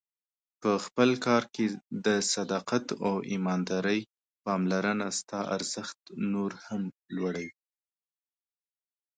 په خپل کار کې د صداقت او ایماندارۍ پاملرنه ستا ارزښت نور هم لوړوي.